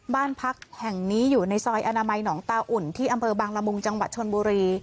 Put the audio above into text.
บ้านพักแห่งนี้อยู่ในซอยอนามัยหนองตาอุ่นที่อำเภอบางละมุงจังหวัดชนบุรี